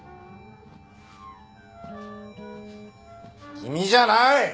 君じゃない！